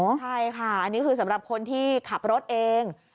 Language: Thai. ใช่ค่ะอันนี้คือสำหรับคนที่ขับรถเอง